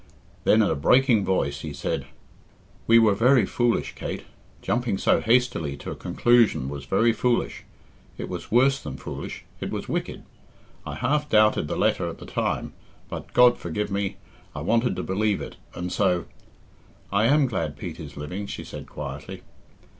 Then, in a breaking voice, he said, "We were very foolish Kate jumping so hastily to a conclusion was very foolish it was worse than foolish, it was wicked. I half doubted the letter at the time, but, God forgive me, I wanted to believe it, and so " "I am glad Pete is living," she said quietly.